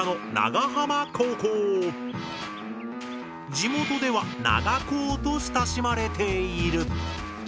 地元では「長高」と親しまれている。